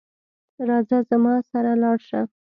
راځه زما سره لاړ شه